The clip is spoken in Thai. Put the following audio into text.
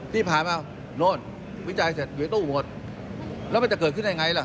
ที่ผ่านมาโน่นวิจัยเสร็จอยู่ในตู้หมดแล้วมันจะเกิดขึ้นได้ไงล่ะ